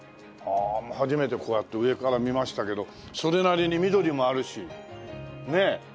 初めてこうやって上から見ましたけどそれなりに緑もあるしねえ。